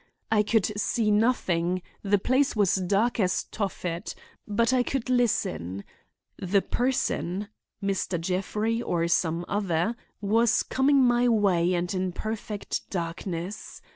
I could see nothing; the place was dark as Tophet; but I could listen. The person—Mr. Jeffrey, or some other—was coming my way and in perfect darkness.